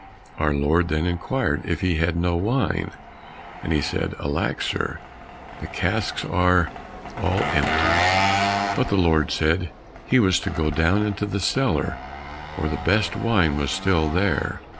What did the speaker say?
Our Lord then inquired if he had no wine, and he said, "Alack, sir, the casks are all empty!" But the Lord said he was to go down into the cellar, for the best wine was still there.